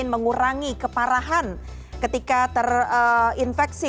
mengurangi keparahan ketika terinfeksi